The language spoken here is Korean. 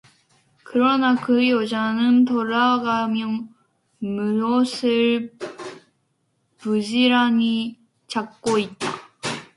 그러나 그 여자는 돌아가며 무엇을 부지런히 찾고 있다.